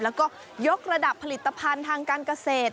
แล้วก็ยกระดับผลิตภัณฑ์ทางการเกษตร